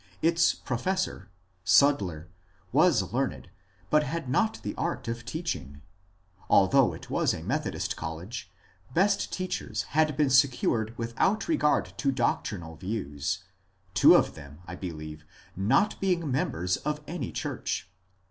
Its professor (Sudler) was learned, but bad not tbe art of teacbing. Altbougb it was a Metbodist college, best teaobers bad been secured witbout regard to doctrinal views, two of tbem, I believe, not being members of any cburcb.